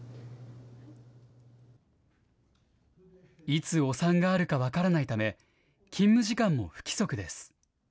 いつお産があるか分からないため、勤務時間も不規則です。